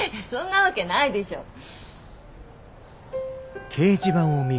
そんなわけないでしょ。